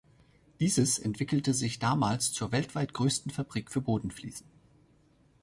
Dieses entwickelte sich damals zur weltweit größten Fabrik für Bodenfliesen.